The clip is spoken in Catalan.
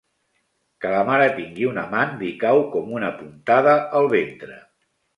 Que la mare tingui un amant li cau com una puntada al ventre.